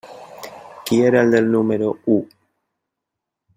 Qui era el del número u?